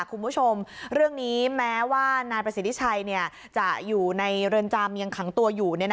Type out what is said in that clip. คุณผู้ชมเรื่องนี้แม้ว่านายประสิทธิชัยจะอยู่ในเรือนจำยังขังตัวอยู่